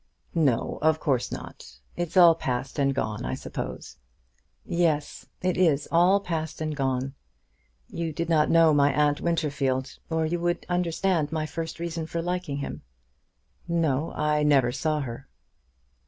"No; of course not. It's all passed and gone, I suppose." "Yes; it is all passed and gone. You did not know my Aunt Winterfield, or you would understand my first reason for liking him." "No," said Will; "I never saw her."